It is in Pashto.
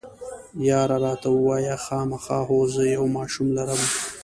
یا، راته ووایه، خامخا؟ هو، زه یو ماشوم لرم.